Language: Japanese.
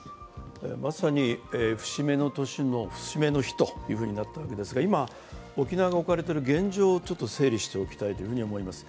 まさに節目の年の節目の日となったわけですが、今、沖縄が置かれている現状をちょっと整理しておきたいと思います。